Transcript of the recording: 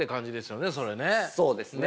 そうですね。